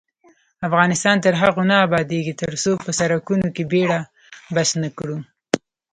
افغانستان تر هغو نه ابادیږي، ترڅو په سرکونو کې بیړه بس نکړو.